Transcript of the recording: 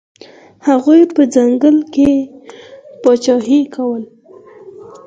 هغوی په ځنګل کې پاچاهي کوله.